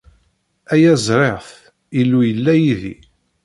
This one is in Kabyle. Aya ẓriɣ-t: Illu yella yid-i.